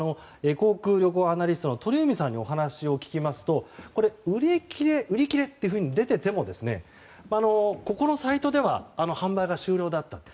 航空・旅行アナリストの鳥海さんにお話を伺いますと売り切れって出ていてもここのサイトでは販売が終了だったと。